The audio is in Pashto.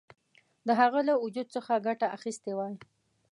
د هغه له وجود څخه ګټه اخیستې وای.